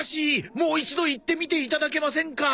もう一度言ってみていただけませんか？